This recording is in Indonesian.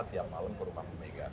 tiap malam ke rumah pemegang